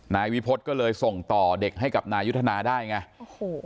นายวิพฤษก็เลยส่งต่อเด็กให้กับนายุทธนาได้ไงโอ้โห